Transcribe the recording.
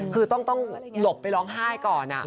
คือต้องหลบไปร้องไห้ก่อน